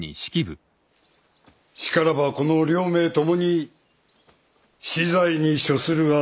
しからばこの両名共に死罪に処するが相当と思われるが。